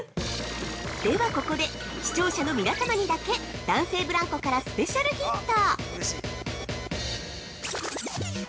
ではここで、視聴者の皆様にだけ、男性ブランコからスペシャルヒント！